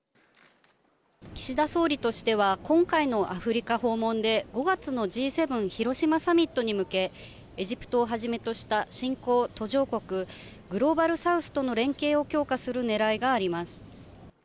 岸田総理としては、今回のアフリカ訪問で、５月のＧ７広島サミットに向け、エジプトをはじめとした新興・途上国グローバルサウスとの連携を強化するねらいがあります。